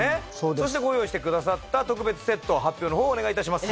そしてご用意してくださった特別セット発表の方お願い致します。